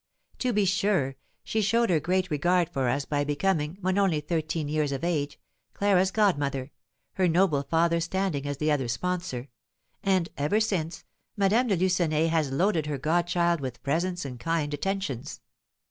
To be sure, she showed her great regard for us by becoming, when only thirteen years of age, Clara's godmother, her noble father standing as the other sponsor; and, ever since, Madame de Lucenay has loaded her godchild with presents and kind attentions.